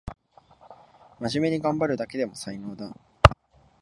まじめにがんばるだけでも才能だ